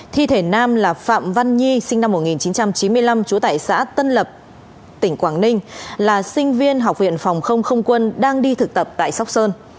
thi thể nam là phạm văn nhi sinh năm một nghìn chín trăm chín mươi năm trú tại xã tân lập tỉnh quảng ninh là sinh viên học viện phòng không không quân đang đi thực tập tại sóc sơn